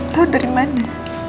tau dari mana